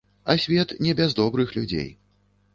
А свет не без добрых людзей.